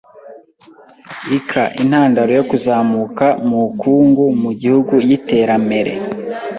ika intandaro yo kuzamuka mu ukungu mu ihugu y’iteramere